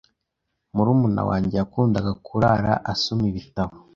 Murumuna wanjye yakundaga kurara asoma ibitabo.